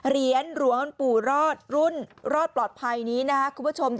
เหรียญหลวงปู่รอดรุ่นรอดปลอดภัยนี้นะครับคุณผู้ชม